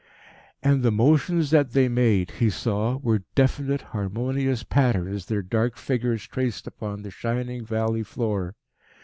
And the motions that they made, he saw, were definite harmonious patterns their dark figures traced upon the shining valley floor.